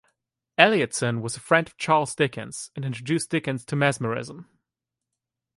Elliotson was a friend of Charles Dickens, and introduced Dickens to Mesmerism.